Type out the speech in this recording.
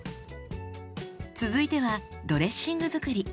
続いてはドレッシング作り。